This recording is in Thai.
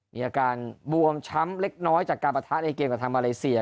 มีอาการบวมช้ำเล็กน้อยจากการประทะในเกมกับทางมาเลเซีย